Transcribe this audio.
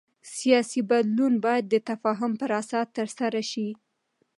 سیاسي بدلون باید د تفاهم پر اساس ترسره شي